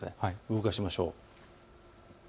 動かしましょう。